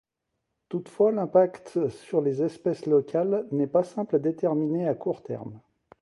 Toutefois l'impact sur les espèces locales n'est pas simple a déterminer à court terme.